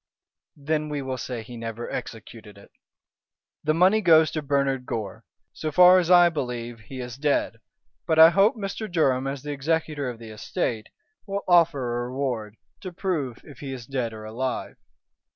"Then we will say he never executed it. The money goes to Bernard Gore. So far as I believe he is dead, but I hope Mr. Durham, as the executor of the estate, will offer a reward to prove if he is dead or alive.